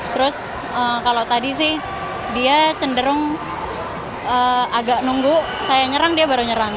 terus kalau tadi sih dia cenderung agak nunggu saya nyerang dia baru nyerang